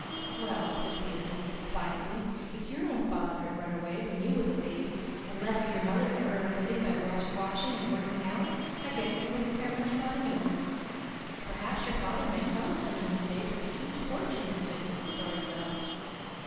"Well," said Peter defiantly, "if your own father had run away when you was a baby, and left your mother to earn her living by washing and working out, I guess you wouldn't care much about him either." "Perhaps your father may come home some of these days with a huge fortune," suggested the Story Girl.